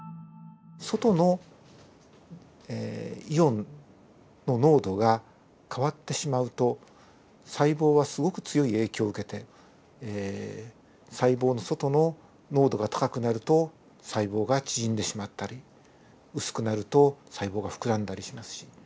外のイオンの濃度が変わってしまうと細胞はすごく強い影響を受けて細胞の外の濃度が高くなると細胞が縮んでしまったり薄くなると細胞が膨らんだりしますし。